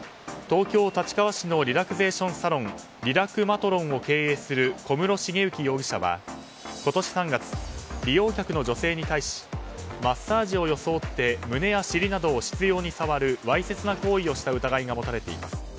東京・立川市のリラクゼーションサロンリラクまとろんを経営する小室茂行容疑者は今年３月、利用客の女性に対しマッサージを装って胸や尻などを執拗に触るわいせつな行為をした疑いが持たれています。